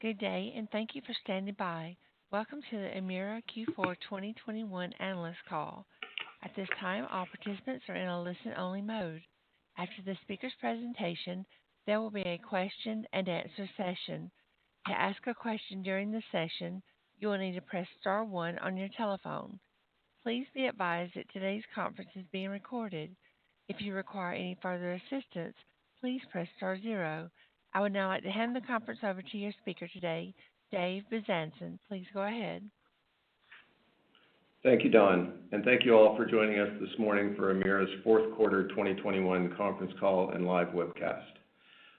Good day, and thank you for standing by. Welcome to the Emera Q4 2021 analyst call. At this time, all participants are in a listen-only mode. After the speaker's presentation, there will be a question-and-answer session. To ask a question during the session, you will need to press star one on your telephone. Please be advised that today's conference is being recorded. If you require any further assistance, please press star zero. I would now like to hand the conference over to your speaker today, Dave Bezanson. Please go ahead. Thank you, Don, and thank you all for joining us this morning for Emera's fourth quarter 2021 conference call and live webcast.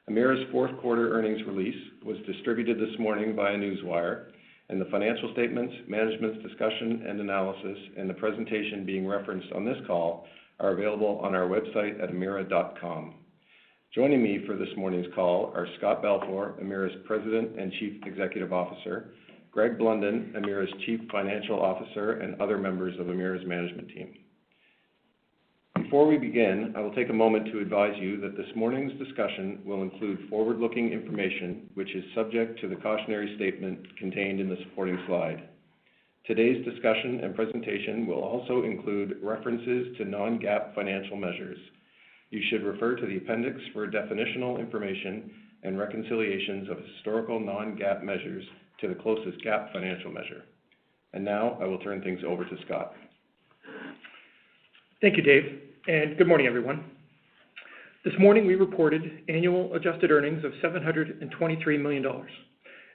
Emera's fourth-quarter earnings release was distributed this morning by a newswire, and the financial statements, management's discussion and analysis, and the presentation being referenced on this call are available on our website at emera.com. Joining me for this morning's call are Scott Balfour, Emera's President and Chief Executive Officer, Greg Blunden, Emera's Chief Financial Officer, and other members of Emera's management team. Before we begin, I will take a moment to advise you that this morning's discussion will include forward-looking information, which is subject to the cautionary statement contained in the supporting slide. Today's discussion and presentation will also include references to Non-GAAP financial measures. You should refer to the appendix for definitional information and reconciliations of historical Non-GAAP measures to the closest GAAP financial measure. Now, I will turn things over to Scott. Thank you, Dave, and good morning, everyone. This morning, we reported annual adjusted earnings of 723 million dollars.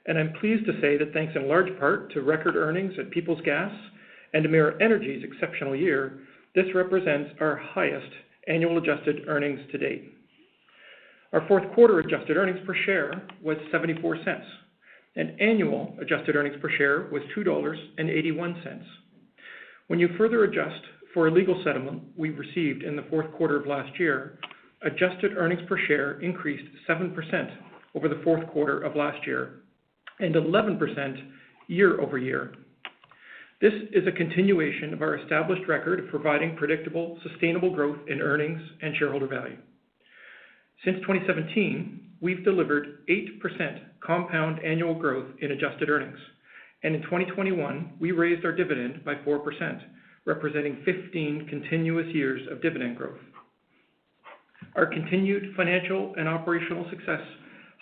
I'm pleased to say that thanks in large part to record earnings at Peoples Gas and Emera Energy's exceptional year, this represents our highest annual adjusted earnings to date. Our fourth-quarter adjusted earnings per share was 0.74, and annual adjusted earnings per share was 2.81 dollars. When you further adjust for a legal settlement we received in the fourth quarter of last year, adjusted earnings per share increased 7% over the fourth quarter of last year and 11% year-over-year. This is a continuation of our established record of providing predictable, sustainable growth in earnings and shareholder value. Since 2017, we've delivered 8% compound annual growth in adjusted earnings. In 2021, we raised our dividend by 4%, representing 15 continuous years of dividend growth. Our continued financial and operational success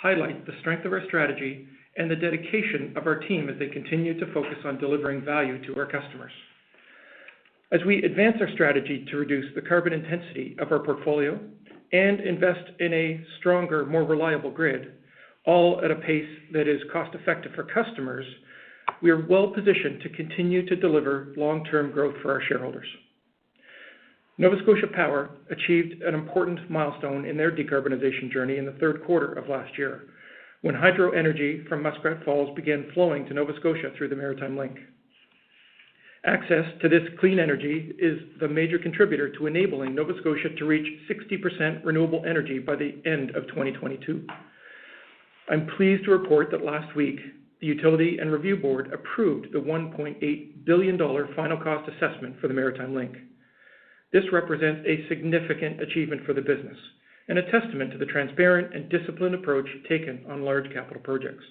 highlight the strength of our strategy and the dedication of our team as they continue to focus on delivering value to our customers. As we advance our strategy to reduce the carbon intensity of our portfolio and invest in a stronger, more reliable grid, all at a pace that is cost-effective for customers, we are well-positioned to continue to deliver long-term growth for our shareholders. Nova Scotia Power achieved an important milestone in their decarbonization journey in the third quarter of last year when hydro energy from Muskrat Falls began flowing to Nova Scotia through the Maritime Link. Access to this clean energy is the major contributor to enabling Nova Scotia to reach 60% renewable energy by the end of 2022. I'm pleased to report that last week, the Utility and Review Board approved the 1.8 billion dollar final cost assessment for the Maritime Link. This represents a significant achievement for the business and a testament to the transparent and disciplined approach taken on large capital projects.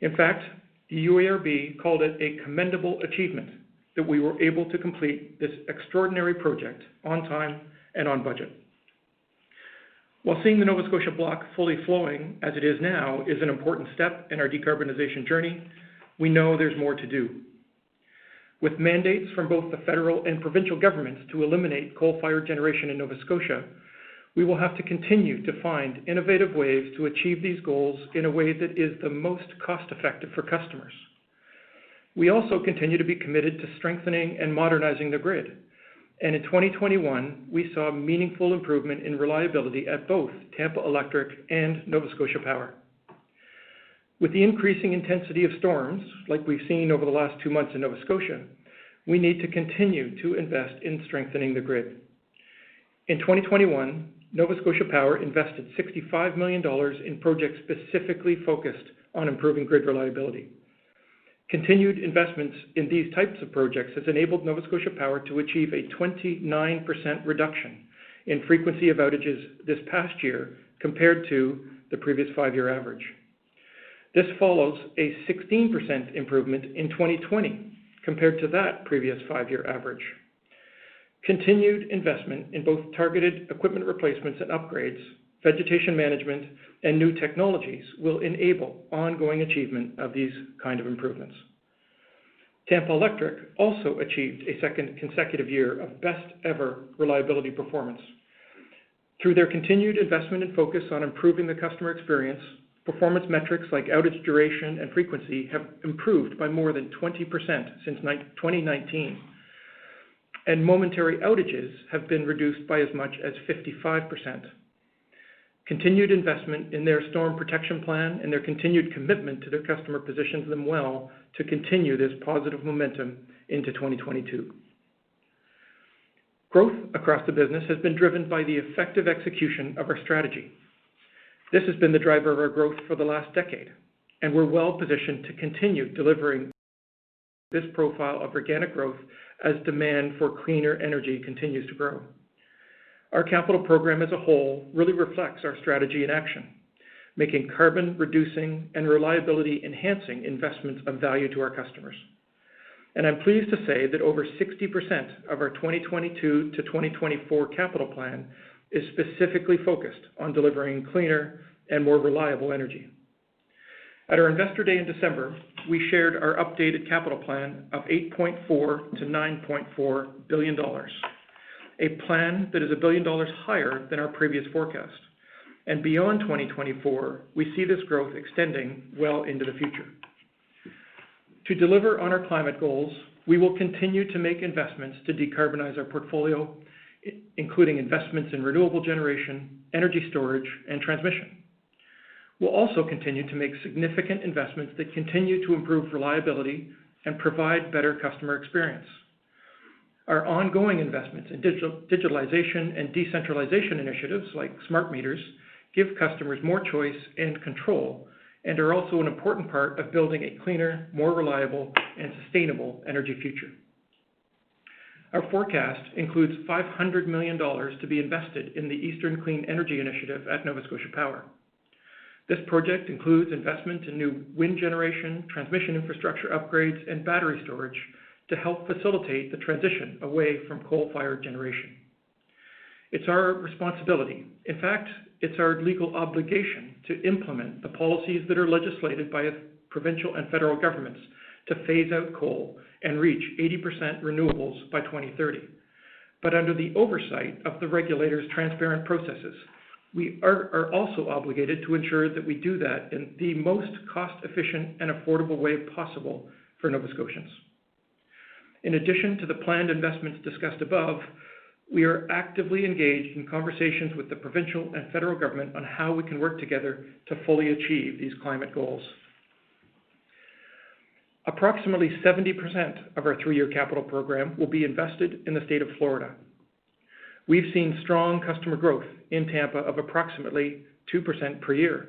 In fact, the UARB called it a commendable achievement that we were able to complete this extraordinary project on time and on budget. While seeing the Nova Scotia Block fully flowing as it is now is an important step in our decarbonization journey, we know there's more to do. With mandates from both the federal and provincial governments to eliminate coal-fired generation in Nova Scotia, we will have to continue to find innovative ways to achieve these goals in a way that is the most cost-effective for customers. We also continue to be committed to strengthening and modernizing the grid. In 2021, we saw a meaningful improvement in reliability at both Tampa Electric and Nova Scotia Power. With the increasing intensity of storms, like we've seen over the last two months in Nova Scotia, we need to continue to invest in strengthening the grid. In 2021, Nova Scotia Power invested 65 million dollars in projects specifically focused on improving grid reliability. Continued investments in these types of projects has enabled Nova Scotia Power to achieve a 29% reduction in frequency of outages this past year compared to the previous five-year average. This follows a 16% improvement in 2020 compared to that previous five-year average. Continued investment in both targeted equipment replacements and upgrades, vegetation management, and new technologies will enable ongoing achievement of these kind of improvements. Tampa Electric also achieved a second consecutive year of best-ever reliability performance. Through their continued investment and focus on improving the customer experience, performance metrics like outage duration and frequency have improved by more than 20% since 2019, and momentary outages have been reduced by as much as 55%. Continued investment in their Storm Protection Plan and their continued commitment to their customer positions them well to continue this positive momentum into 2022. Growth across the business has been driven by the effective execution of our strategy. This has been the driver of our growth for the last decade, and we're well-positioned to continue delivering this profile of organic growth as demand for cleaner energy continues to grow. Our capital program as a whole really reflects our strategy in action, making carbon-reducing and reliability-enhancing investments of value to our customers. I'm pleased to say that over 60% of our 2022-2024 capital plan is specifically focused on delivering cleaner and more reliable energy. At our Investor Day in December, we shared our updated capital plan of $8.4 billion-$9.4 billion, a plan that is $1 billion higher than our previous forecast. Beyond 2024, we see this growth extending well into the future. To deliver on our climate goals, we will continue to make investments to decarbonize our portfolio, including investments in renewable generation, energy storage, and transmission. We'll also continue to make significant investments that continue to improve reliability and provide better customer experience. Our ongoing investments in digitalization and decentralization initiatives, like smart meters, give customers more choice and control, and are also an important part of building a cleaner, more reliable, and sustainable energy future. Our forecast includes 500 million dollars to be invested in the Eastern Clean Energy Initiative at Nova Scotia Power. This project includes investment in new wind generation, transmission infrastructure upgrades, and battery storage to help facilitate the transition away from coal-fired generation. It's our responsibility, in fact, it's our legal obligation to implement the policies that are legislated by provincial and federal governments to phase out coal and reach 80% renewables by 2030. Under the oversight of the regulators' transparent processes, we are also obligated to ensure that we do that in the most cost-efficient and affordable way possible for Nova Scotians. In addition to the planned investments discussed above, we are actively engaged in conversations with the provincial and federal government on how we can work together to fully achieve these climate goals. Approximately 70% of our three-year capital program will be invested in the State of Florida. We've seen strong customer growth in Tampa of approximately 2% per year.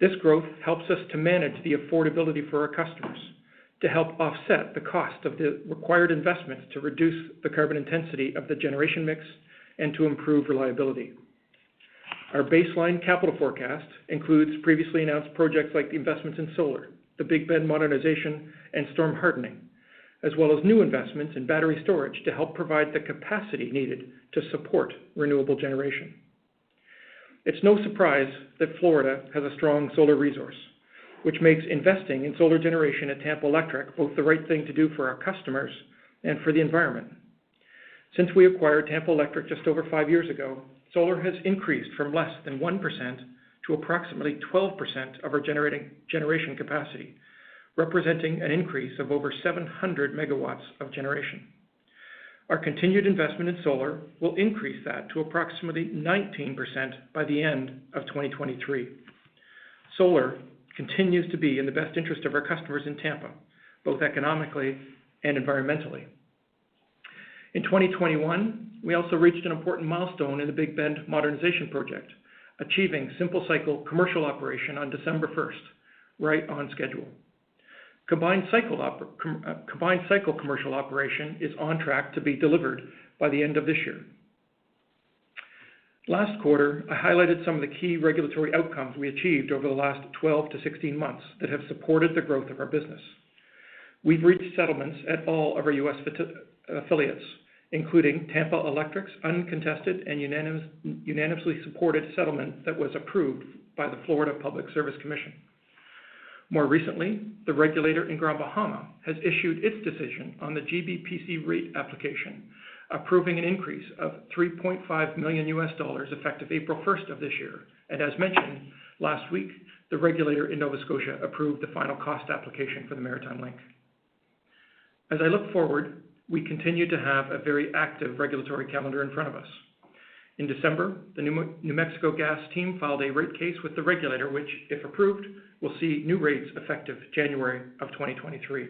This growth helps us to manage the affordability for our customers to help offset the cost of the required investments to reduce the carbon intensity of the generation mix and to improve reliability. Our baseline capital forecast includes previously announced projects like the investments in solar, the Big Bend modernization, and storm hardening, as well as new investments in battery storage to help provide the capacity needed to support renewable generation. It's no surprise that Florida has a strong solar resource, which makes investing in solar generation at Tampa Electric both the right thing to do for our customers and for the environment. Since we acquired Tampa Electric just over five years ago, solar has increased from less than 1% to approximately 12% of our generation capacity, representing an increase of over 700 MW of generation. Our continued investment in solar will increase that to approximately 19% by the end of 2023. Solar continues to be in the best interest of our customers in Tampa, both economically and environmentally. In 2021, we also reached an important milestone in the Big Bend modernization project, achieving simple cycle commercial operation on December 1st, right on schedule. Combined cycle commercial operation is on track to be delivered by the end of this year. Last quarter, I highlighted some of the key regulatory outcomes we achieved over the last 12-16 months that have supported the growth of our business. We've reached settlements at all of our U.S. affiliates, including Tampa Electric's uncontested and unanimously supported settlement that was approved by the Florida Public Service Commission. More recently, the regulator in Grand Bahama has issued its decision on the GBPC rate application, approving an increase of $3.5 million effective April 1 of this year. As mentioned, last week, the regulator in Nova Scotia approved the final cost application for the Maritime Link. As I look forward, we continue to have a very active regulatory calendar in front of us. In December, the New Mexico Gas team filed a rate case with the regulator, which, if approved, will see new rates effective January of 2023.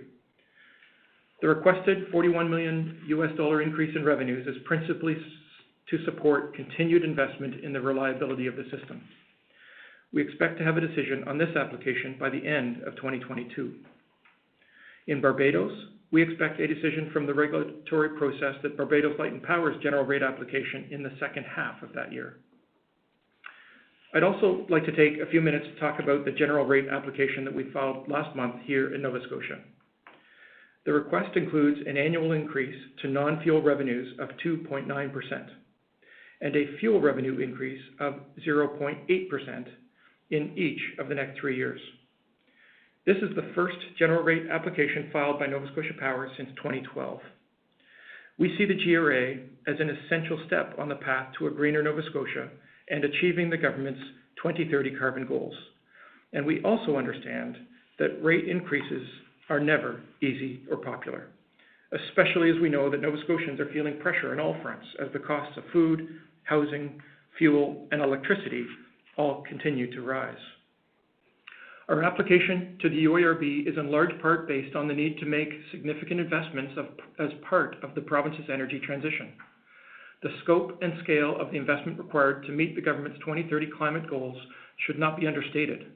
The requested $41 million increase in revenues is principally to support continued investment in the reliability of the system. We expect to have a decision on this application by the end of 2022. In Barbados, we expect a decision from the regulatory process on Barbados Light & Power's general rate application in the second half of that year. I'd also like to take a few minutes to talk about the general rate application that we filed last month here in Nova Scotia. The request includes an annual increase to non-fuel revenues of 2.9% and a fuel revenue increase of 0.8% in each of the next three years. This is the first general rate application filed by Nova Scotia Power since 2012. We see the GRA as an essential step on the path to a greener Nova Scotia and achieving the government's 2030 carbon goals. We also understand that rate increases are never easy or popular, especially as we know that Nova Scotians are feeling pressure on all fronts as the costs of food, housing, fuel, and electricity all continue to rise. Our application to the UARB is in large part based on the need to make significant investments as part of the province's energy transition. The scope and scale of the investment required to meet the government's 2030 climate goals should not be understated,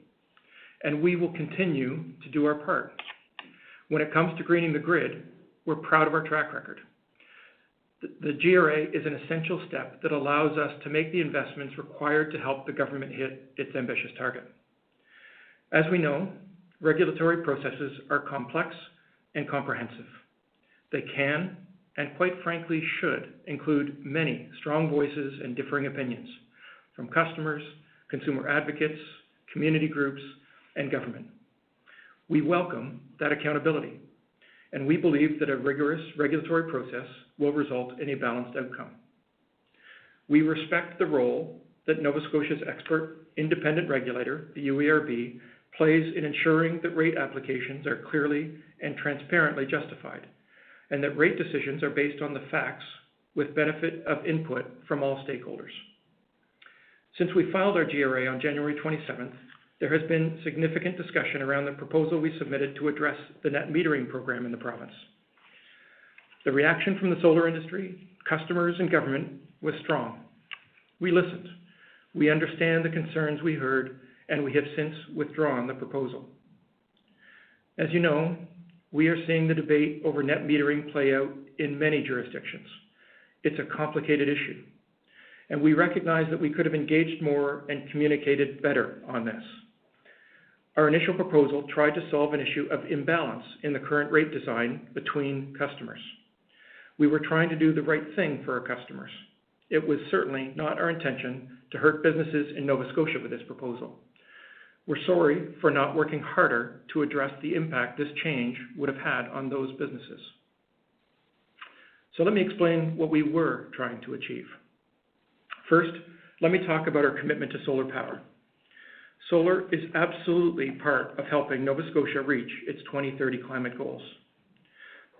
and we will continue to do our part. When it comes to greening the grid, we're proud of our track record. The GRA is an essential step that allows us to make the investments required to help the government hit its ambitious target. As we know, regulatory processes are complex and comprehensive. They can, and quite frankly, should include many strong voices and differing opinions from customers, consumer advocates, community groups, and government. We welcome that accountability, and we believe that a rigorous regulatory process will result in a balanced outcome. We respect the role that Nova Scotia's expert independent regulator, the UARB, plays in ensuring that rate applications are clearly and transparently justified, and that rate decisions are based on the facts with benefit of input from all stakeholders. Since we filed our GRA on January 27, there has been significant discussion around the proposal we submitted to address the net metering program in the province. The reaction from the solar industry, customers and government was strong. We listened. We understand the concerns we heard, and we have since withdrawn the proposal. As you know, we are seeing the debate over net metering play out in many jurisdictions. It's a complicated issue, and we recognize that we could have engaged more and communicated better on this. Our initial proposal tried to solve an issue of imbalance in the current rate design between customers. We were trying to do the right thing for our customers. It was certainly not our intention to hurt businesses in Nova Scotia with this proposal. We're sorry for not working harder to address the impact this change would have had on those businesses. Let me explain what we were trying to achieve. First, let me talk about our commitment to solar power. Solar is absolutely part of helping Nova Scotia reach its 2030 climate goals.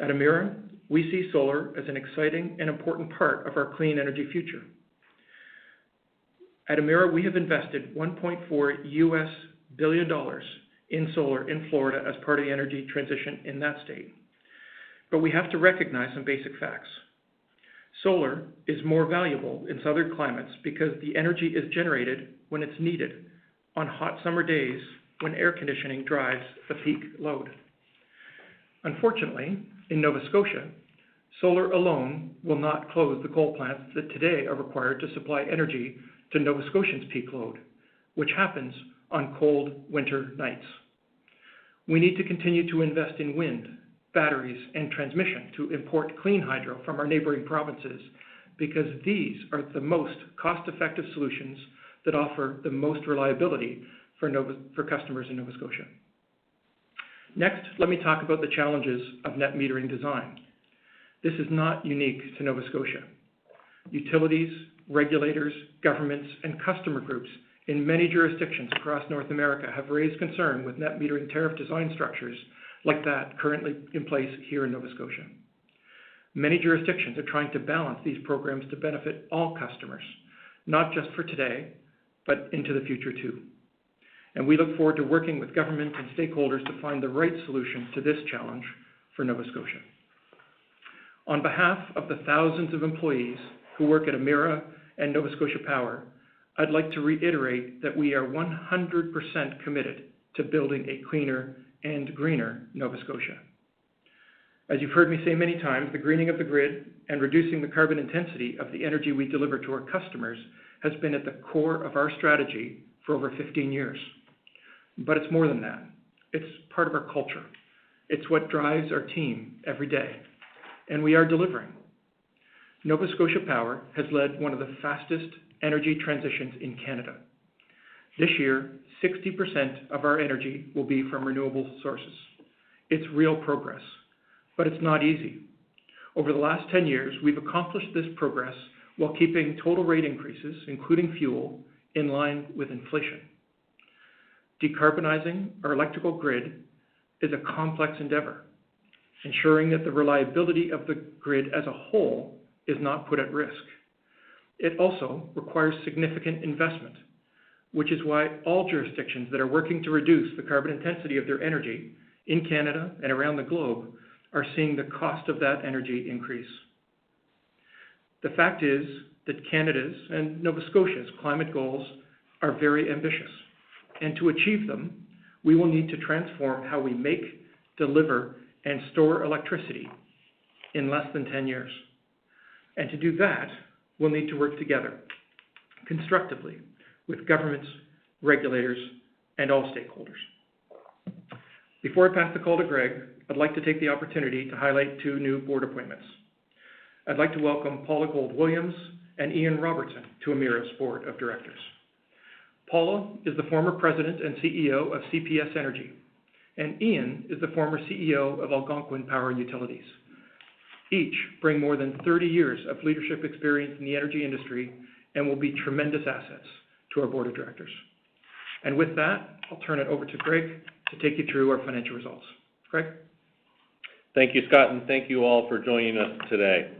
At Emera, we see solar as an exciting and important part of our clean energy future. At Emera, we have invested $1.4 billion in solar in Florida as part of the energy transition in that state. We have to recognize some basic facts. Solar is more valuable in southern climates because the energy is generated when it's needed on hot summer days when air conditioning drives the peak load. Unfortunately, in Nova Scotia, solar alone will not close the coal plants that today are required to supply energy to Nova Scotians' peak load, which happens on cold winter nights. We need to continue to invest in wind, batteries, and transmission to import clean hydro from our neighboring provinces, because these are the most cost-effective solutions that offer the most reliability for customers in Nova Scotia. Next, let me talk about the challenges of net metering design. This is not unique to Nova Scotia. Utilities, regulators, governments, and customer groups in many jurisdictions across North America have raised concern with net metering tariff design structures like that currently in place here in Nova Scotia. Many jurisdictions are trying to balance these programs to benefit all customers, not just for today, but into the future too. We look forward to working with government and stakeholders to find the right solution to this challenge for Nova Scotia. On behalf of the thousands of employees who work at Emera and Nova Scotia Power, I'd like to reiterate that we are 100% committed to building a cleaner and greener Nova Scotia. As you've heard me say many times, the greening of the grid and reducing the carbon intensity of the energy we deliver to our customers has been at the core of our strategy for over 15 years. It's more than that. It's part of our culture. It's what drives our team every day. We are delivering. Nova Scotia Power has led one of the fastest energy transitions in Canada. This year, 60% of our energy will be from renewable sources. It's real progress, but it's not easy. Over the last 10 years, we've accomplished this progress while keeping total rate increases, including fuel in line with inflation. Decarbonizing our electrical grid is a complex endeavor, ensuring that the reliability of the grid as a whole is not put at risk. It also requires significant investment, which is why all jurisdictions that are working to reduce the carbon intensity of their energy in Canada and around the globe are seeing the cost of that energy increase. The fact is that Canada's and Nova Scotia's climate goals are very ambitious, and to achieve them, we will need to transform how we make, deliver, and store electricity in less than 10 years. To do that, we'll need to work together constructively with governments, regulators, and all stakeholders. Before I pass the call to Greg, I'd like to take the opportunity to highlight 2 new board appointments. I'd like to welcome Paula Gold-Williams and Ian Robertson to Emera's board of directors. Paula is the former President and CEO of CPS Energy, and Ian is the former CEO of Algonquin Power Utilities. Each bring more than 30 years of leadership experience in the energy industry and will be tremendous assets to our board of directors. With that, I'll turn it over to Greg to take you through our financial results. Greg? Thank you, Scott, and thank you all for joining us today.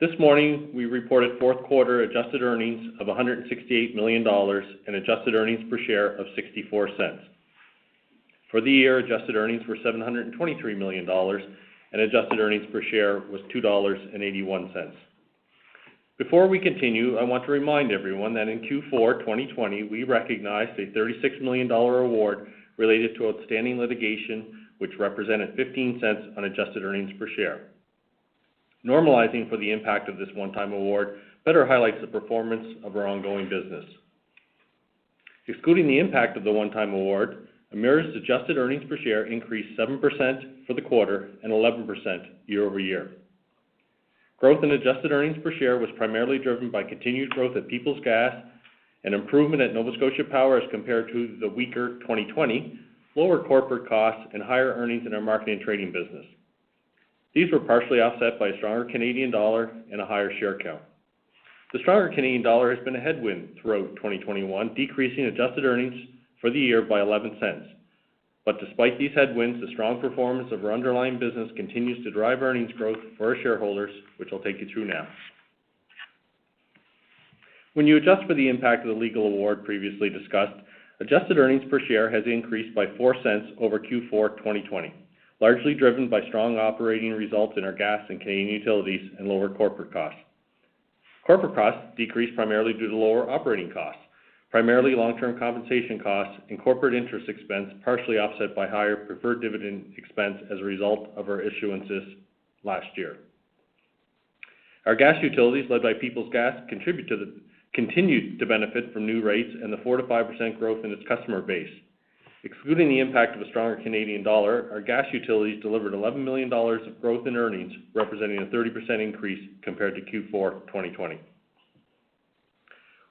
This morning we reported fourth quarter adjusted earnings of 168 million dollars and adjusted earnings per share of 0.64. For the year, adjusted earnings were 723 million dollars, and adjusted earnings per share was 2.81 dollars. Before we continue, I want to remind everyone that in Q4 2020, we recognized a 36 million dollar award related to outstanding litigation, which represented 0.15 on adjusted earnings per share. Normalizing for the impact of this one-time award better highlights the performance of our ongoing business. Excluding the impact of the one-time award, Emera's adjusted earnings per share increased 7% for the quarter and 11% year-over-year. Growth in adjusted earnings per share was primarily driven by continued growth at Peoples Gas and improvement at Nova Scotia Power as compared to the weaker 2020, lower corporate costs, and higher earnings in our marketing trading business. These were partially offset by a stronger Canadian dollar and a higher share count. The stronger Canadian dollar has been a headwind throughout 2021, decreasing adjusted earnings for the year by 0.11. Despite these headwinds, the strong performance of our underlying business continues to drive earnings growth for our shareholders, which I'll take you through now. When you adjust for the impact of the legal award previously discussed, adjusted earnings per share has increased by 0.04 over Q4 2020, largely driven by strong operating results in our gas and Canadian utilities and lower corporate costs. Corporate costs decreased primarily due to lower operating costs, primarily long-term compensation costs and corporate interest expense, partially offset by higher preferred dividend expense as a result of our issuances last year. Our gas utilities, led by Peoples Gas, continued to benefit from new rates and the 4%-5% growth in its customer base. Excluding the impact of a stronger Canadian dollar, our gas utilities delivered $11 million of growth in earnings, representing a 30% increase compared to Q4 2020.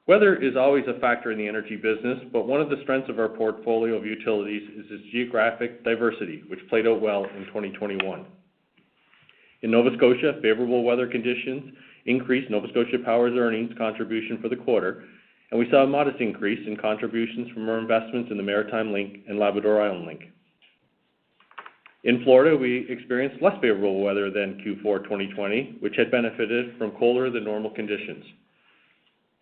Weather is always a factor in the energy business, but one of the strengths of our portfolio of utilities is its geographic diversity, which played out well in 2021. In Nova Scotia, favorable weather conditions increased Nova Scotia Power's earnings contribution for the quarter, and we saw a modest increase in contributions from our investments in the Maritime Link and Labrador Island Link. In Florida, we experienced less favorable weather than Q4 2020, which had benefited from colder than normal conditions.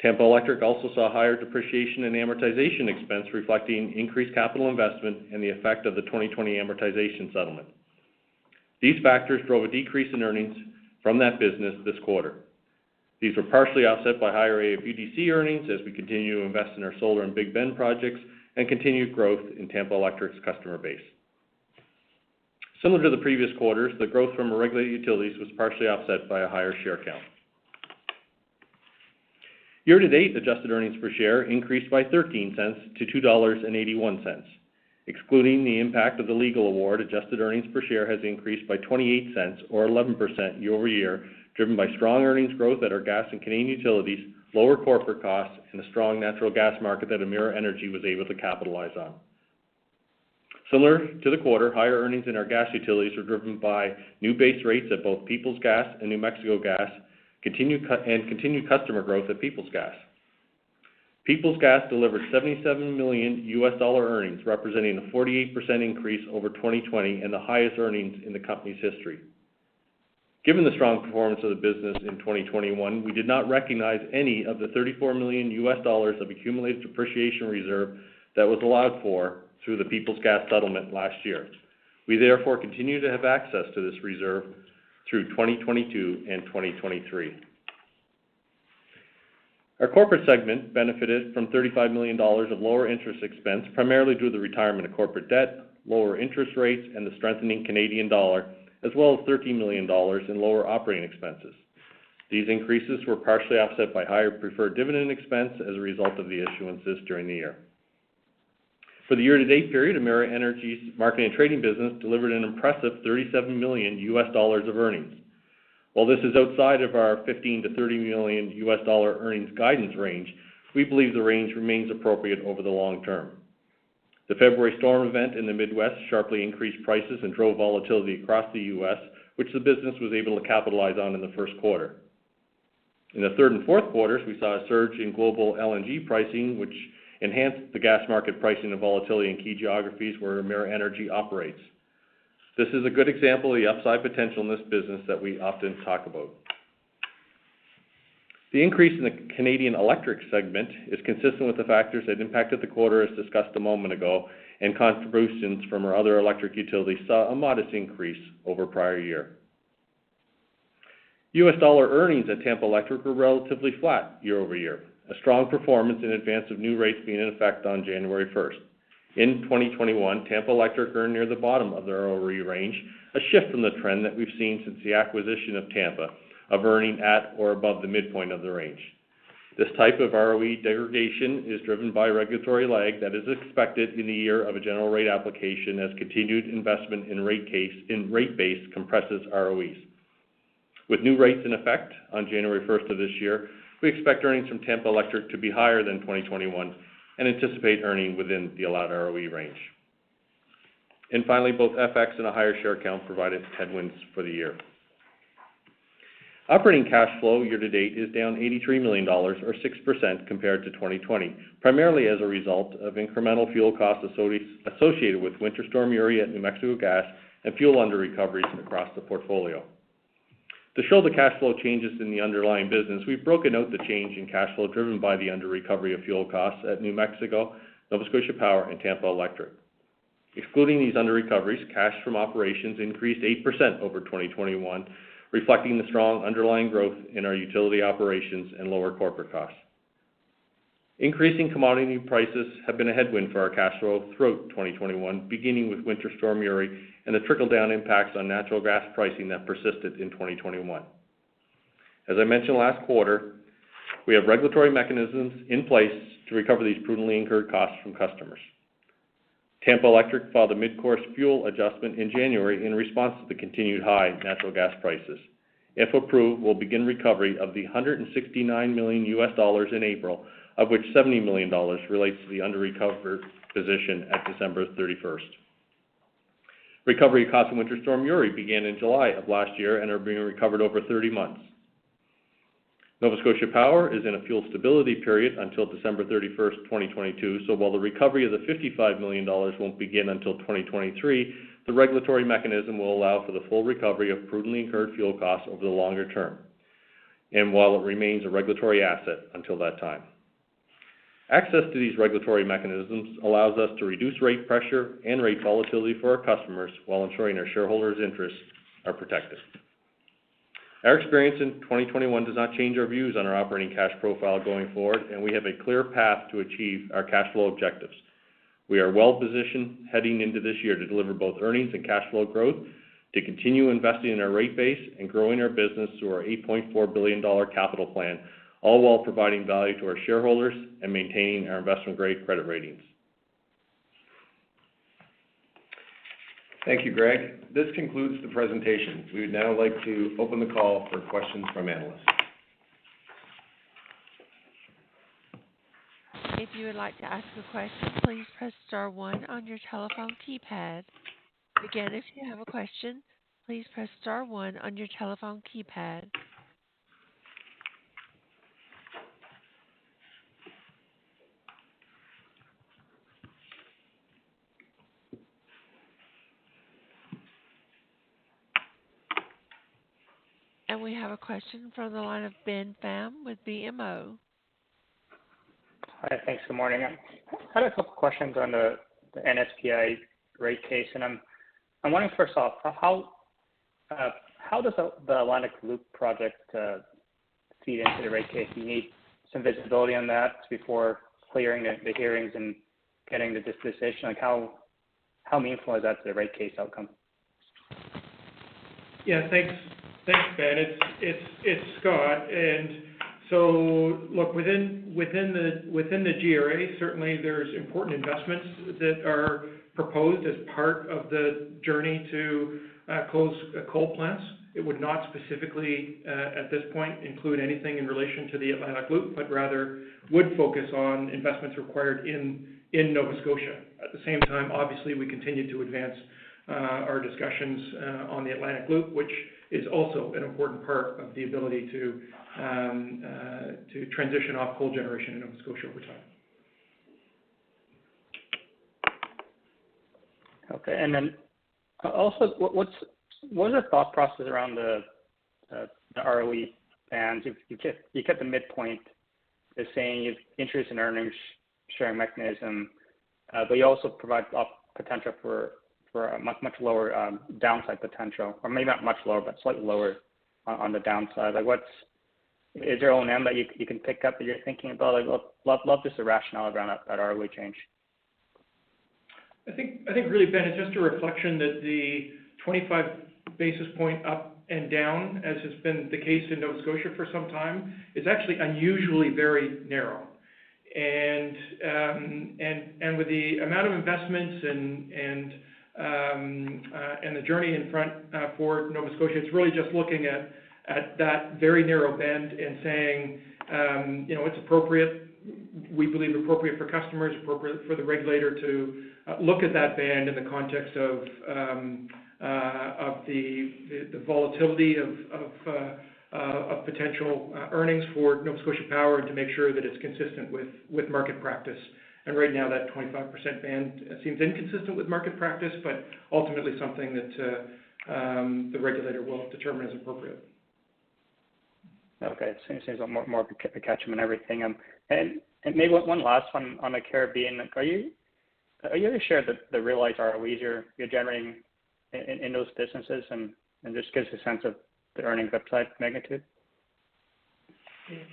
Tampa Electric also saw higher depreciation and amortization expense, reflecting increased capital investment and the effect of the 2020 amortization settlement. These factors drove a decrease in earnings from that business this quarter. These were partially offset by higher AFUDC earnings as we continue to invest in our solar and Big Bend projects and continued growth in Tampa Electric's customer base. Similar to the previous quarters, the growth from our regulated utilities was partially offset by a higher share count. Year-to-date, adjusted earnings per share increased by $0.13 to $2.81. Excluding the impact of the legal award, adjusted earnings per share has increased by 0.28 or 11% year-over-year, driven by strong earnings growth at our gas and Canadian utilities, lower corporate costs, and a strong natural gas market that Emera Energy was able to capitalize on. Similar to the quarter, higher earnings in our gas utilities were driven by new base rates at both Peoples Gas and New Mexico Gas, continued customer growth at Peoples Gas. Peoples Gas delivered $77 million earnings, representing a 48% increase over 2020 and the highest earnings in the company's history. Given the strong performance of the business in 2021, we did not recognize any of the $34 million of accumulated depreciation reserve that was allowed for through the Peoples Gas settlement last year. We therefore continue to have access to this reserve through 2022 and 2023. Our corporate segment benefited from 35 million dollars of lower interest expense, primarily due to the retirement of corporate debt, lower interest rates, and the strengthening Canadian dollar, as well as 13 million dollars in lower operating expenses. These increases were partially offset by higher preferred dividend expense as a result of the issuances during the year. For the year-to-date period, Emera Energy's market and trading business delivered an impressive $37 million of earnings. While this is outside of our $15 million-$30 million earnings guidance range, we believe the range remains appropriate over the long term. The February storm event in the Midwest sharply increased prices and drove volatility across the U.S., which the business was able to capitalize on in the first quarter. In the third and fourth quarters, we saw a surge in global LNG pricing, which enhanced the gas market pricing and volatility in key geographies where Emera Energy operates. This is a good example of the upside potential in this business that we often talk about. The increase in the Canadian electric segment is consistent with the factors that impacted the quarter as discussed a moment ago, and contributions from our other electric utilities saw a modest increase over prior year. U.S. dollar earnings at Tampa Electric were relatively flat year-over-year, a strong performance in advance of new rates being in effect on January first. In 2021, Tampa Electric earned near the bottom of their ROE range, a shift from the trend that we've seen since the acquisition of Tampa of earning at or above the midpoint of the range. This type of ROE degradation is driven by regulatory lag that is expected in the year of a general rate application as continued investment in rate base compresses ROEs. With new rates in effect on January first of this year, we expect earnings from Tampa Electric to be higher than 2021 and anticipate earning within the allowed ROE range. Finally, both FX and a higher share count provided headwinds for the year. Operating cash flow year-to-date is down $83 million or 6% compared to 2020, primarily as a result of incremental fuel costs associated with Winter Storm Uri at New Mexico Gas and fuel underrecoveries across the portfolio. To show the cash flow changes in the underlying business, we've broken out the change in cash flow driven by the underrecovery of fuel costs at New Mexico, Nova Scotia Power, and Tampa Electric. Excluding these underrecoveries, cash from operations increased 8% over 2021, reflecting the strong underlying growth in our utility operations and lower corporate costs. Increasing commodity prices have been a headwind for our cash flow throughout 2021, beginning with Winter Storm Uri and the trickle-down impacts on natural gas pricing that persisted in 2021. As I mentioned last quarter, we have regulatory mechanisms in place to recover these prudently incurred costs from customers. Tampa Electric filed a midcourse fuel adjustment in January in response to the continued high natural gas prices. If approved, we'll begin recovery of the $169 million in April, of which $70 million relates to the under-recovered position at December 31. Recovery costs in Winter Storm Uri began in July of last year and are being recovered over 30 months. Nova Scotia Power is in a fuel stability period until December 31, 2022, so while the recovery of the $55 million won't begin until 2023, the regulatory mechanism will allow for the full recovery of prudently incurred fuel costs over the longer term and while it remains a regulatory asset until that time. Access to these regulatory mechanisms allows us to reduce rate pressure and rate volatility for our customers while ensuring our shareholders' interests are protected. Our experience in 2021 does not change our views on our operating cash profile going forward, and we have a clear path to achieve our cash flow objectives. We are well-positioned heading into this year to deliver both earnings and cash flow growth to continue investing in our rate base and growing our business through our 8.4 billion dollar capital plan, all while providing value to our shareholders and maintaining our investment-grade credit ratings. Thank you, Greg. This concludes the presentation. We would now like to open the call for questions from analysts. We have a question from the line of Ben Pham with BMO. Hi. Thanks. Good morning. I had a couple questions on the NSPI rate case, and I'm wondering, first off, how does the Atlantic Loop project feed into the rate case? Do you need some visibility on that before clearing the hearings and getting the disposition? Like, how meaningful is that to the rate case outcome? Yeah. Thanks. Thanks, Ben. It's Scott. Look, within the GRA, certainly there's important investments that are proposed as part of the journey to close coal plants. It would not specifically at this point include anything in relation to the Atlantic Loop, but rather would focus on investments required in Nova Scotia. At the same time, obviously, we continue to advance our discussions on the Atlantic Loop, which is also an important part of the ability to transition off coal generation in Nova Scotia over time. Okay. What is your thought process around the ROE? You kept the midpoint, saying it's in the earnings sharing mechanism, but you also provide upside potential for a much lower downside potential, or maybe not much lower but slightly lower on the downside. Like, what is the number that you can pin down that you're thinking about? I'd love just the rationale around that ROE change. I think really, Ben, it's just a reflection that the 25 basis point up and down, as has been the case in Nova Scotia for some time, is actually unusually very narrow. With the amount of investments and the journey in front for Nova Scotia, it's really just looking at that very narrow band and saying, you know, it's appropriate, we believe appropriate for customers, appropriate for the regulator to look at that band in the context of the volatility of potential earnings for Nova Scotia Power and to make sure that it's consistent with market practice. Right now, that 25% band seems inconsistent with market practice, but ultimately something that the regulator will determine is appropriate. Okay. It seems like more of a catch them in everything. Maybe one last one on the Caribbean. Are you able to share the realized ROEs you're generating in those businesses and just gives a sense of the earnings upside magnitude?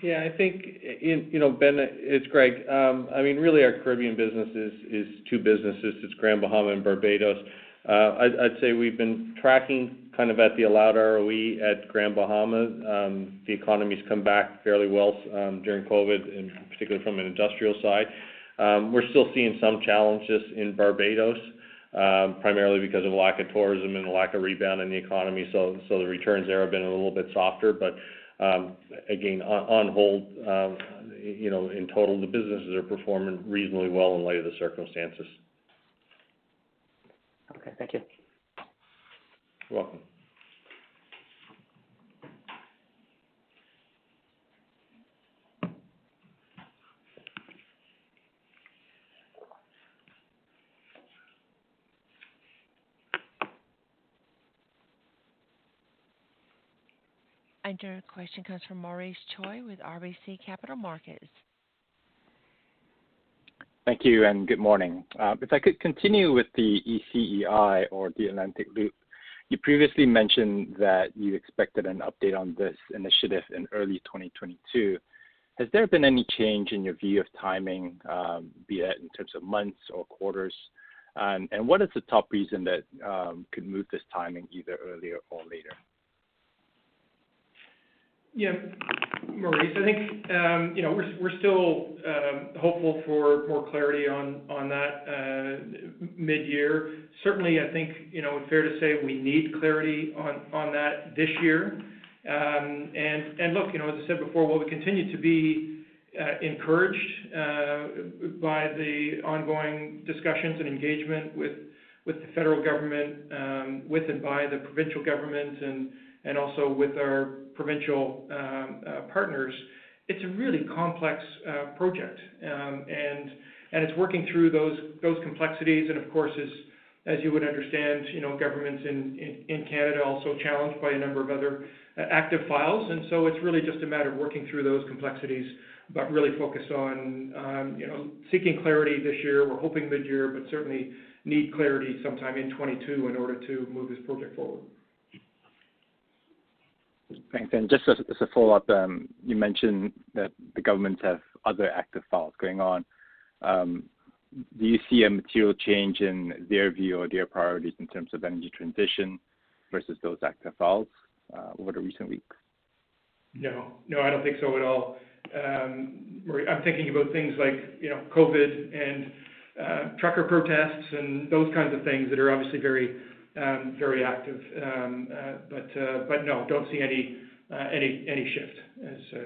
Yeah. I think. You know, Ben, it's Greg. I mean, really our Caribbean business is two businesses. It's Grand Bahama and Barbados. I'd say we've been tracking kind of at the allowed ROE at Grand Bahama. The economy's come back fairly well during COVID, and particularly from an industrial side. We're still seeing some challenges in Barbados, primarily because of lack of tourism and a lack of rebound in the economy. So the returns there have been a little bit softer. Again, on hold. You know, in total, the businesses are performing reasonably well in light of the circumstances. Okay. Thank you. You're welcome. Our next question comes from Maurice Choy with RBC Capital Markets. Thank you, and good morning. If I could continue with the ECEI or the Atlantic Loop, you previously mentioned that you expected an update on this initiative in early 2022. Has there been any change in your view of timing, be it in terms of months or quarters? What is the top reason that could move this timing either earlier or later? Yeah, Maurice, I think you know, we're still hopeful for more clarity on that midyear. Certainly, I think you know, fair to say we need clarity on that this year. Look, you know, as I said before, while we continue to be encouraged by the ongoing discussions and engagement with the federal government, with and by the provincial governments and also with our provincial partners, it's a really complex project. It's working through those complexities and of course, as you would understand, you know, governments in Canada are also challenged by a number of other active files. It's really just a matter of working through those complexities, but really focused on you know, seeking clarity this year. We're hoping midyear, but certainly need clarity sometime in 2022 in order to move this project forward. Thanks. Just as a follow-up, you mentioned that the governments have other active files going on. Do you see a material change in their view or their priorities in terms of energy transition versus those active files over the recent weeks? No. I don't think so at all. Maurice, I'm thinking about things like, you know, COVID and trucker protests and those kinds of things that are obviously very very active. No, don't see any shift as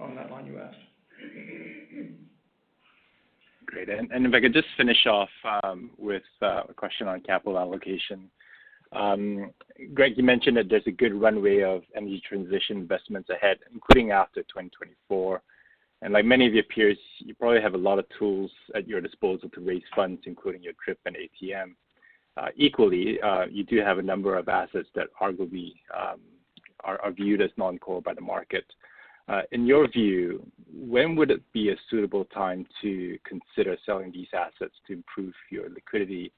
on that line you asked. Great. If I could just finish off with a question on capital allocation. Greg, you mentioned that there's a good runway of energy transition investments ahead, including after 2024. Like many of your peers, you probably have a lot of tools at your disposal to raise funds, including your DRIP and ATM. Equally, you do have a number of assets that arguably are viewed as non-core by the market. In your view, when would it be a suitable time to consider selling these assets to improve your liquidity,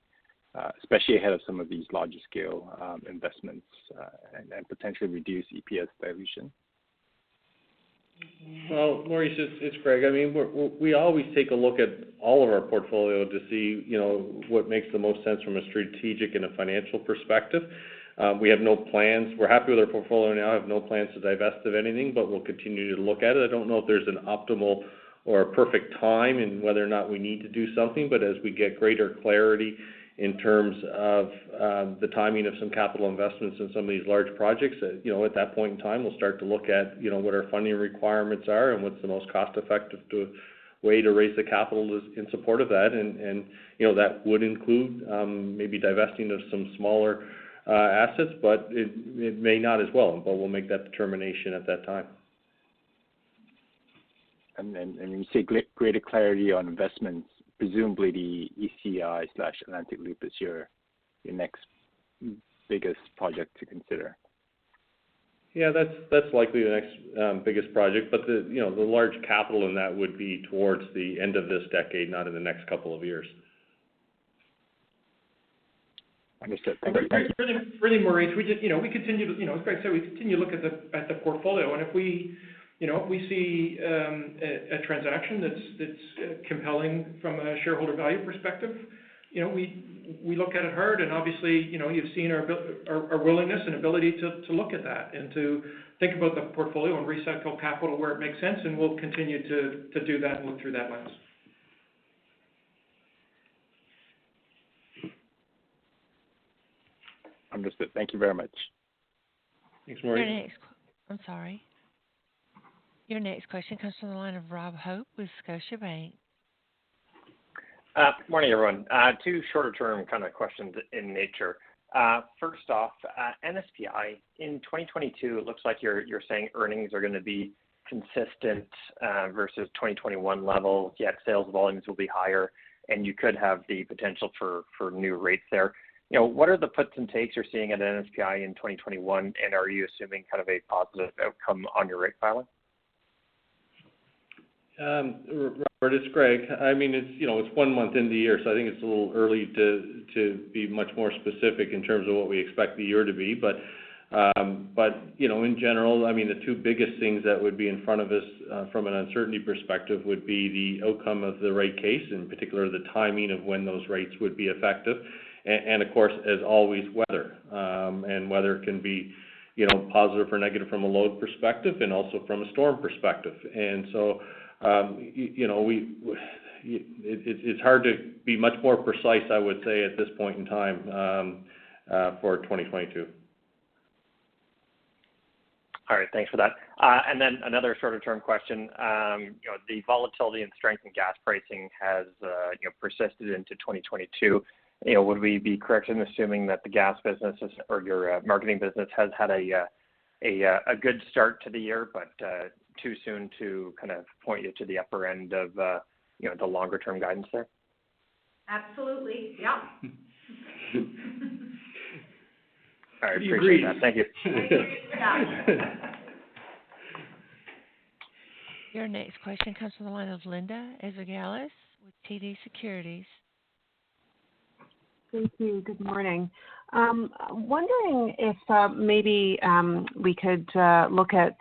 especially ahead of some of these larger scale investments, and potentially reduce EPS dilution? Well, Maurice, it's Greg. I mean, we always take a look at all of our portfolio to see, you know, what makes the most sense from a strategic and a financial perspective. We have no plans. We're happy with our portfolio now. I have no plans to divest of anything, but we'll continue to look at it. I don't know if there's an optimal or a perfect time on whether or not we need to do something. As we get greater clarity in terms of the timing of some capital investments in some of these large projects, you know, at that point in time, we'll start to look at, you know, what our funding requirements are and what's the most cost-effective way to raise the capital is in support of that. You know, that would include maybe divesting of some smaller assets, but it may not as well. We'll make that determination at that time. You say greater clarity on investments. Presumably, the ECEI/Atlantic Loop is your next biggest project to consider. Yeah. That's likely the next biggest project. The, you know, the large capital in that would be towards the end of this decade, not in the next couple of years. Understood. Really, Maurice, we just, you know, we continue to, you know, as Greg said, we continue to look at the portfolio. If we, you know, if we see a transaction that's compelling from a shareholder value perspective, you know, we look at it hard. Obviously, you know, you've seen our willingness and ability to look at that and to think about the portfolio and recycle capital where it makes sense, and we'll continue to do that and look through that lens. Understood. Thank you very much. Thanks, Maurice. Your next question comes from the line of Rob Hope with Scotiabank. Good morning, everyone. Two shorter-term kind of questions in nature. First off, NSPI, in 2022, it looks like you're saying earnings are gonna be consistent versus 2021 levels, yet sales volumes will be higher, and you could have the potential for new rates there. You know, what are the puts and takes you're seeing at NSPI in 2021, and are you assuming kind of a positive outcome on your rate filing? Rob, it's Greg. I mean, it's you know, it's one month into the year, so I think it's a little early to be much more specific in terms of what we expect the year to be. But you know, in general, I mean, the two biggest things that would be in front of us from an uncertainty perspective would be the outcome of the rate case, in particular, the timing of when those rates would be effective. And of course, as always, weather. And weather can be you know, positive or negative from a load perspective and also from a storm perspective. And so you know, it's hard to be much more precise, I would say, at this point in time for 2022. All right. Thanks for that. Another shorter-term question. You know, the volatility and strength in gas pricing has, you know, persisted into 2022. You know, would we be correct in assuming that the gas businesses or your marketing business has had a good start to the year, but too soon to kind of point you to the upper end of, you know, the longer term guidance there? Absolutely. Yep. All right. Appreciate that. Thank you. Yeah. Your next question comes from the line of Linda Ezergailis with TD Securities. Thank you. Good morning. Wondering if maybe we could look at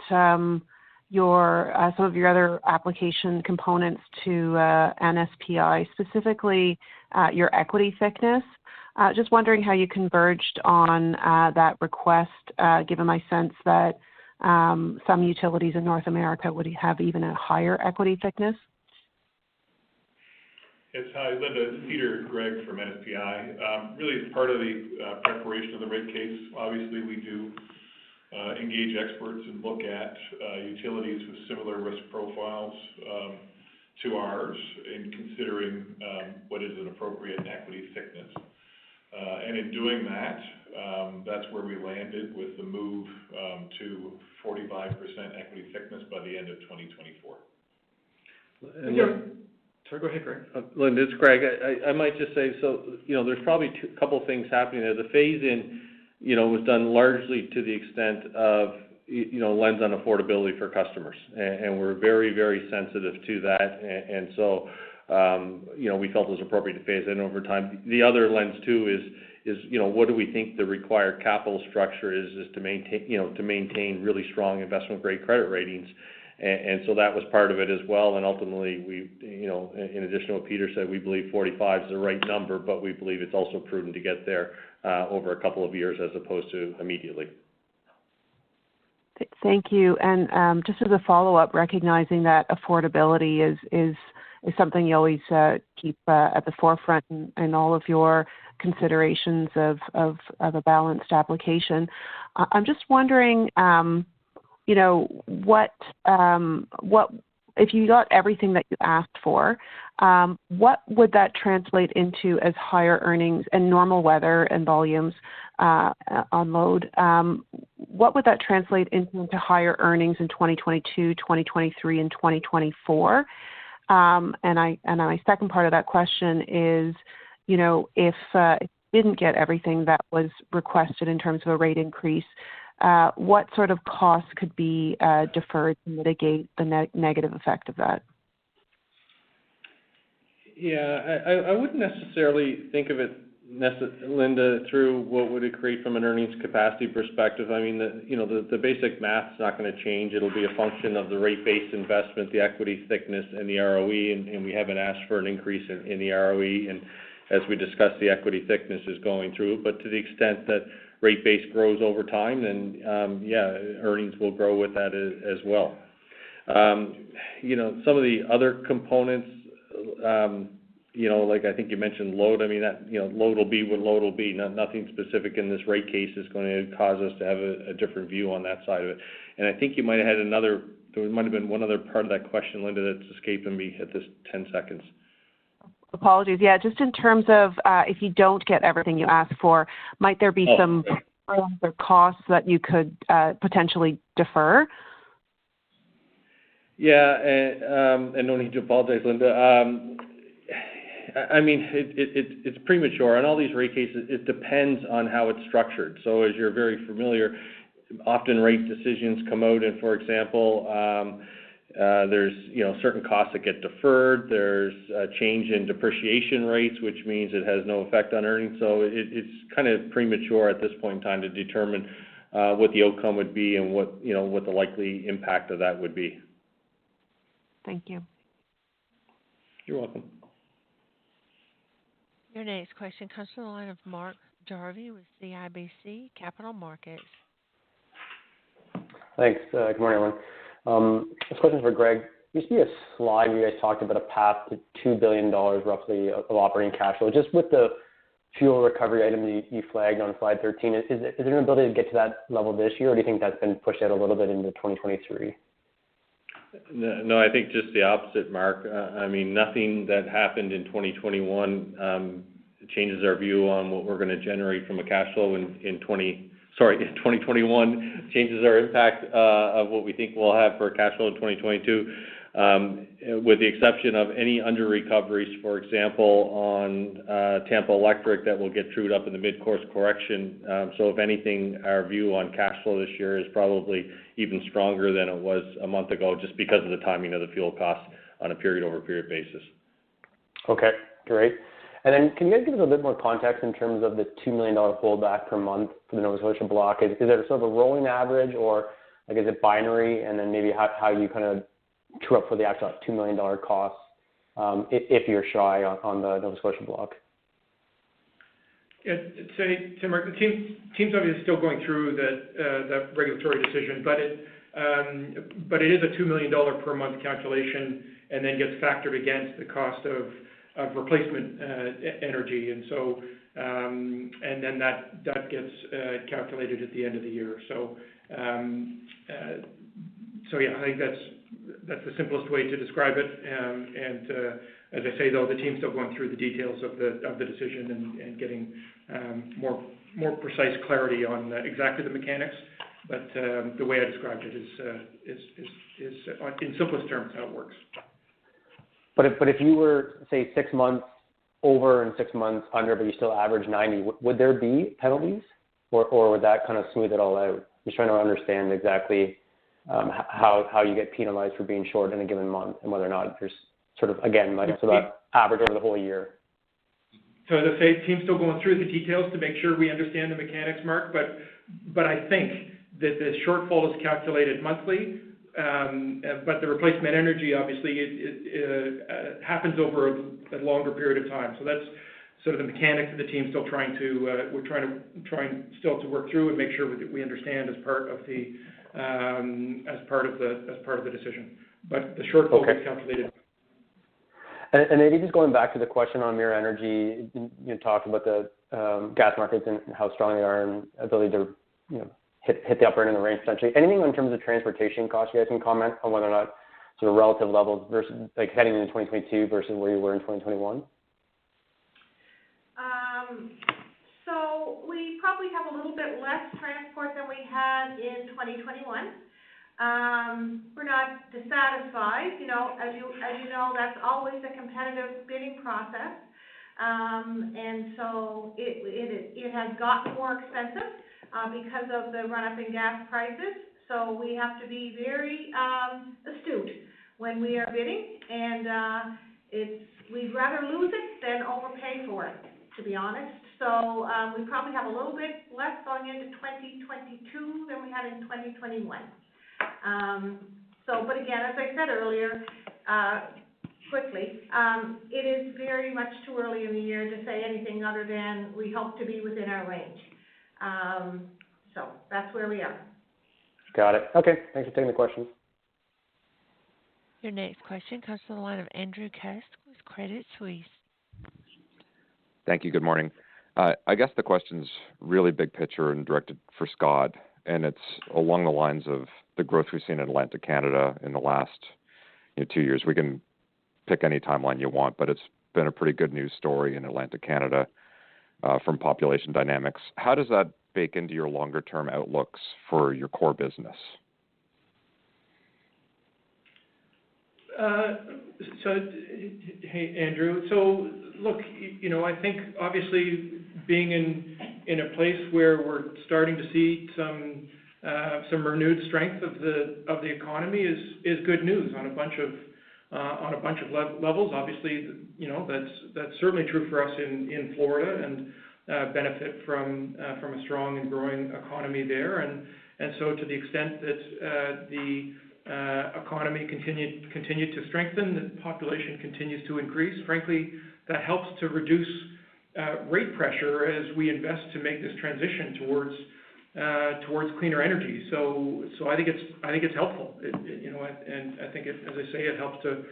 some of your other application components to NSPI, specifically your equity thickness. Just wondering how you converged on that request, given my sense that some utilities in North America would have even a higher equity thickness. Yes. Hi, Linda. It's Peter Gregg from NSPI. Really, as part of the preparation of the rate case, obviously, we do engage experts and look at utilities with similar risk profiles to ours in considering what is an appropriate equity thickness. In doing that's where we landed with the move to 45% equity thickness by the end of 2024. Thank you. Sorry, go ahead, Greg. Linda, it's Greg. I might just say so, you know, there's probably a couple things happening there. The phase in, you know, was done largely to the extent of you know, lens on affordability for customers. We're very, very sensitive to that. You know, we felt it was appropriate to phase in over time. The other lens too is, you know, what do we think the required capital structure is to maintain, you know, to maintain really strong investment-grade credit ratings. That was part of it as well. Ultimately, we you know, in addition to what Peter said, we believe 45 is the right number, but we believe it's also prudent to get there over a couple of years as opposed to immediately. Thank you. Just as a follow-up, recognizing that affordability is something you always keep at the forefront in all of your considerations of a balanced application. I'm just wondering, you know, what if you got everything that you asked for, what would that translate into as higher earnings and normal weather and volumes on load? What would that translate into higher earnings in 2022, 2023, and 2024? And my second part of that question is, you know, if you didn't get everything that was requested in terms of a rate increase, what sort of costs could be deferred to mitigate the negative effect of that? Yeah. I wouldn't necessarily think of it, Linda. Through what would it create from an earnings capacity perspective. I mean, you know, the basic math is not gonna change. It'll be a function of the rate base investment, the equity thickness and the ROE, and we haven't asked for an increase in the ROE. As we discussed, the equity thickness is going through. To the extent that rate base grows over time, earnings will grow with that as well. You know, some of the other components, you know, like I think you mentioned load. I mean, you know, load will be what load will be. Nothing specific in this rate case is going to cause us to have a different view on that side of it. I think you might have had another. There might have been one other part of that question, Linda, that's escaping me at this 10 seconds. Apologies. Yeah, just in terms of, if you don't get everything you ask for, might there be some. Oh. programs or costs that you could potentially defer? No need to apologize, Linda. I mean, it's premature. On all these rate cases, it depends on how it's structured. As you're very familiar, often rate decisions come out and, for example, there's, you know, certain costs that get deferred. There's a change in depreciation rates, which means it has no effect on earnings. It's kind of premature at this point in time to determine what the outcome would be and what, you know, what the likely impact of that would be. Thank you. You're welcome. Your next question comes from the line of Mark Jarvi with CIBC Capital Markets. Good morning, everyone. This question is for Greg. We see a slide where you guys talked about a path to $2 billion roughly of operating cash flow. Just with the fuel recovery item you flagged on slide 13, is there an ability to get to that level this year, or do you think that's been pushed out a little bit into 2023? No, no. I think just the opposite, Mark. I mean, nothing that happened in 2021 changes the impact of what we think we'll have for a cash flow in 2022. With the exception of any underrecoveries, for example, on Tampa Electric, that will get trued up in the mid-course correction. If anything, our view on cash flow this year is probably even stronger than it was a month ago just because of the timing of the fuel cost on a period-over-period basis. Okay. Great. Can you guys give us a little more context in terms of the 2 million dollar pullback per month for the Nova Scotia Block? Is that sort of a rolling average or, like, is it binary? Maybe how you kinda true-up for the actual 2 million dollar cost, if you're shy on the Nova Scotia Block. To Mark. The team's obviously still going through the regulatory decision, but it is a 2 million dollar per month calculation and then gets factored against the cost of replacement energy. And then that gets calculated at the end of the year. Yeah. I think that's the simplest way to describe it. As I say, though, the team's still going through the details of the decision and getting more precise clarity on exactly the mechanics. The way I described it is, like in simplest terms, how it works. If you were, say, six months over and six months under, but you still average 90, would there be penalties or would that kind of smooth it all out? Just trying to understand exactly, how you get penalized for being short in a given month and whether or not there's sort of, again, like So the- It's about average over the whole year. The finance team's still going through the details to make sure we understand the mechanics, Mark. I think that the shortfall is calculated monthly, but the replacement energy, obviously it happens over a longer period of time. That's sort of the mechanics of the team still trying to work through and make sure we understand as part of the decision. The shortfall Okay. is calculated. Maybe just going back to the question on Emera Energy. You talked about the gas markets and how strong they are and ability to, you know, hit the upper end of the range, essentially. Anything in terms of transportation costs you guys can comment on whether or not sort of relative levels versus like heading into 2022 versus where you were in 2021? We probably have a little bit less transport than we had in 2021. We're not dissatisfied. You know, as you know, that's always a competitive bidding process. It has gotten more expensive because of the run-up in gas prices. We have to be very astute when we are bidding. We'd rather lose it than overpay for it, to be honest. We probably have a little bit less going into 2022 than we had in 2021. But again, as I said earlier, quickly, it is very much too early in the year to say anything other than we hope to be within our range. That's where we are. Got it. Okay. Thanks for taking the question. Your next question comes from the line of Andrew Kuske with Credit Suisse. Thank you. Good morning. I guess the question's really big picture and directed for Scott, and it's along the lines of the growth we've seen in Atlantic Canada in the last, you know, two years. We can pick any timeline you want, but it's been a pretty good news story in Atlantic Canada from population dynamics. How does that bake into your longer-term outlooks for your core business? Hey, Andrew. Look, you know, I think obviously being in a place where we're starting to see some renewed strength of the economy is good news on a bunch of levels. Obviously, you know, that's certainly true for us in Florida and benefit from a strong and growing economy there. To the extent that the economy continues to strengthen, the population continues to increase, frankly, that helps to reduce rate pressure as we invest to make this transition towards cleaner energy. I think it's helpful. You know what, I think it. As I say, it helps to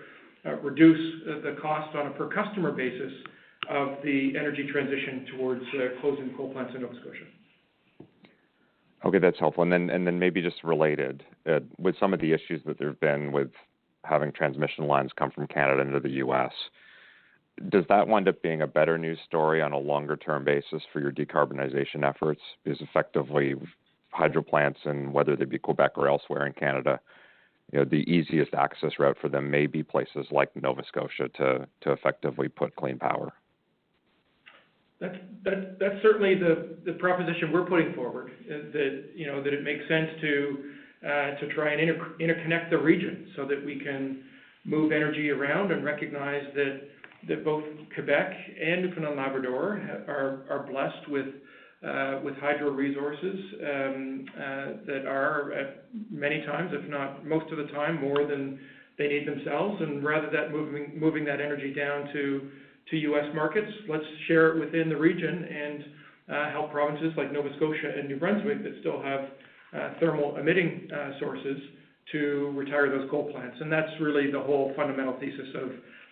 reduce the cost on a per customer basis of the energy transition towards closing coal plants in Nova Scotia. Okay. That's helpful. Maybe just related with some of the issues that there have been with having transmission lines come from Canada into the U.S., does that wind up being a better news story on a longer-term basis for your decarbonization efforts? Because effectively, hydro plants and whether they be Quebec or elsewhere in Canada, the easiest access route for them may be places like Nova Scotia to effectively put clean power. That's certainly the proposition we're putting forward: you know, that it makes sense to try and interconnect the region so that we can move energy around and recognize that both Quebec and Newfoundland and Labrador are blessed with hydro resources that are at many times, if not most of the time, more than they need themselves. Rather than moving that energy down to U.S. markets, let's share it within the region and help provinces like Nova Scotia and New Brunswick that still have thermal emitting sources to retire those coal plants. That's really the whole fundamental thesis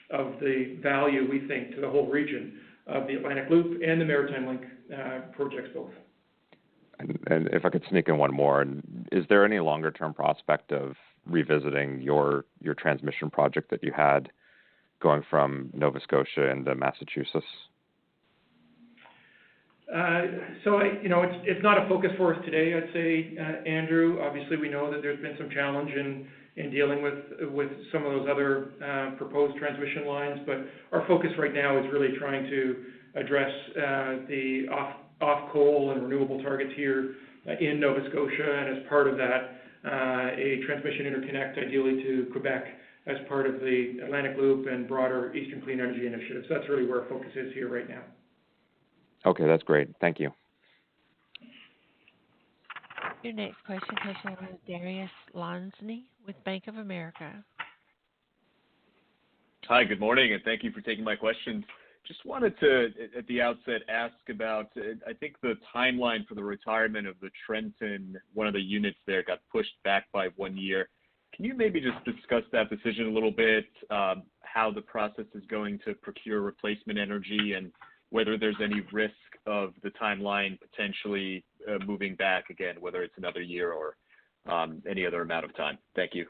of the value we think to the whole region of the Atlantic Loop and the Maritime Link projects both. If I could sneak in one more. Is there any longer-term prospect of revisiting your transmission project that you had going from Nova Scotia into Massachusetts? You know, it's not a focus for us today, I'd say, Andrew. Obviously, we know that there's been some challenge in dealing with some of those other proposed transmission lines. Our focus right now is really trying to address the off coal and renewable targets here in Nova Scotia. As part of that, a transmission interconnect ideally to Quebec as part of the Atlantic Loop and broader Eastern Clean Energy Initiative. That's really where our focus is here right now. Okay. That's great. Thank you. Your next question comes from Dariusz Lozny with Bank of America. Hi. Good morning, and thank you for taking my question. Just wanted to at the outset ask about, I think the timeline for the retirement of the Trenton, one of the units there got pushed back by one year. Can you maybe just discuss that decision a little bit, how the process is going to procure replacement energy and whether there's any risk of the timeline potentially moving back again, whether it's another year or any other amount of time? Thank you.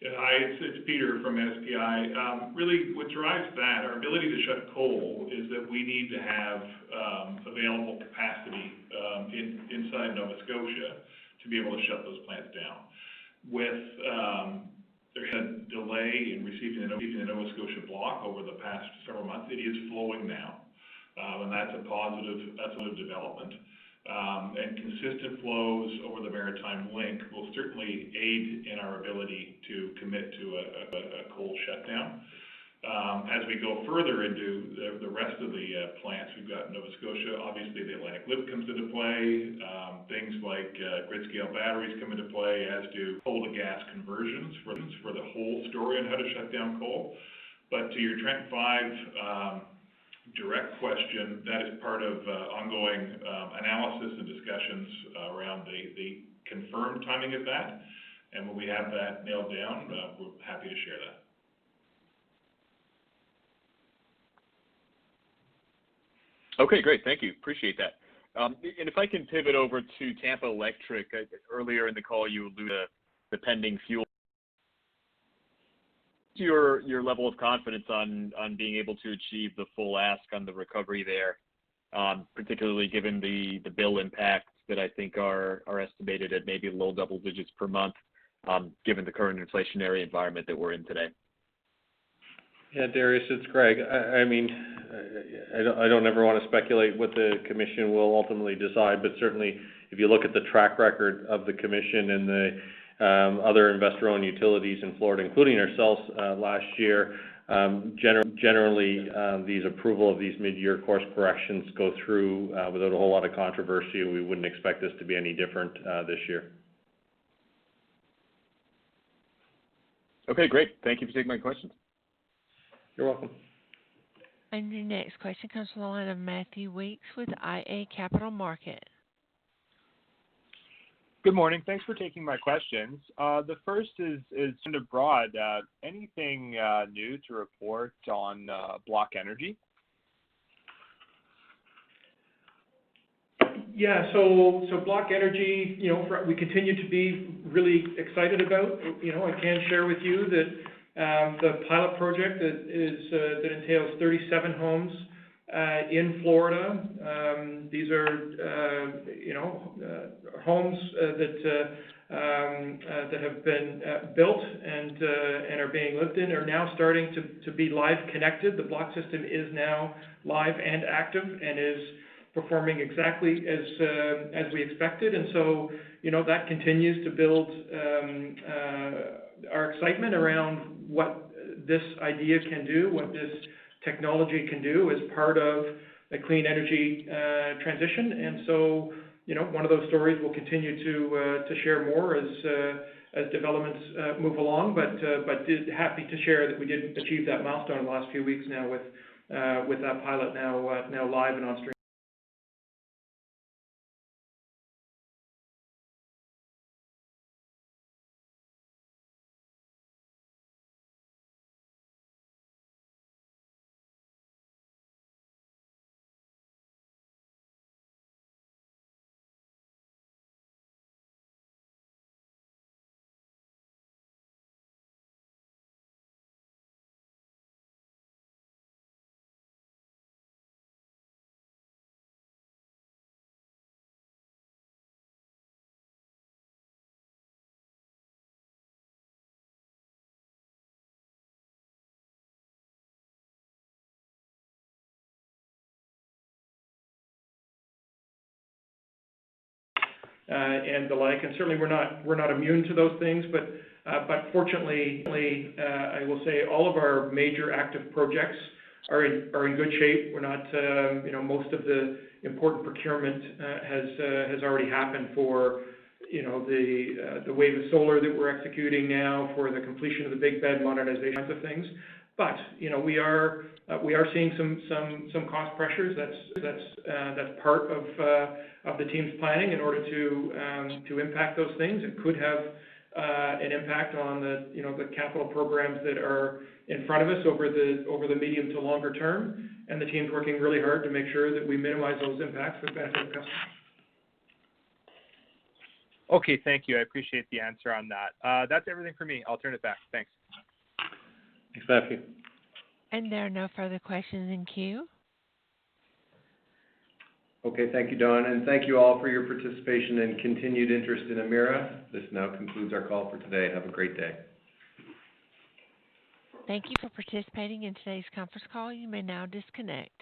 Yeah. Hi, it's Peter from SPI. Really what drives that, our ability to shut coal, is that we need to have available capacity. Inside Nova Scotia to be able to shut those plants down. There was a delay in receiving the Nova Scotia Block over the past several months. It is flowing now, and that's a positive, that's a development. Consistent flows over the Maritime Link will certainly aid in our ability to commit to a coal shutdown. As we go further into the rest of the plants, we've got Nova Scotia, obviously the Atlantic Loop comes into play. Things like grid-scale batteries come into play as do coal to gas conversions for the whole story on how to shut down coal. But to your Trenton 5 direct question, that is part of ongoing analysis and discussions around the confirmed timing of that. When we have that nailed down, we're happy to share that. Okay, great. Thank you. Appreciate that. If I can pivot over to Tampa Electric. Earlier in the call, you allude to the pending fuel. Your level of confidence on being able to achieve the full ask on the recovery there, particularly given the bill impacts that I think are estimated at maybe low double digits per month, given the current inflationary environment that we're in today. Dariusz, it's Greg. I mean, I don't ever want to speculate what the commission will ultimately decide. Certainly, if you look at the track record of the commission and the other investor-owned utilities in Florida, including ourselves, last year, generally, these approval of these mid-year course corrections go through without a whole lot of controversy. We wouldn't expect this to be any different this year. Okay, great. Thank you for taking my questions. You're welcome. The next question comes from the line of Matthew Weekes with iA Capital Markets. Good morning. Thanks for taking my questions. The first is kind of broad. Anything new to report on BlockEnergy? Yeah. BlockEnergy, you know, we continue to be really excited about. You know, I can share with you that the pilot project that entails 37 homes in Florida. These are, you know, homes that have been built and are being lived in, are now starting to be live connected. The BlockEnergy system is now live and active and is performing exactly as we expected. You know, that continues to build our excitement around what this idea can do, what this technology can do as part of a clean energy transition. You know, one of those stories we'll continue to share more as developments move along. Happy to share that we did achieve that milestone in the last few weeks now with that pilot now live and onstream and the like. Certainly we're not immune to those things. Fortunately, I will say all of our major active projects are in good shape. You know, most of the important procurement has already happened for you know the wave of solar that we're executing now for the completion of the Big Bend modernization types of things. You know, we are seeing some cost pressures. That's part of the team's planning in order to impact those things. It could have an impact on the, you know, the capital programs that are in front of us over the medium to longer term. The team's working really hard to make sure that we minimize those impacts and benefit our customers. Okay, thank you. I appreciate the answer on that. That's everything for me. I'll turn it back. Thanks. Thanks, Matthew. There are no further questions in queue. Okay, thank you, Dawn, and thank you all for your participation and continued interest in Emera. This now concludes our call for today. Have a great day. Thank you for participating in today's conference call. You may now disconnect.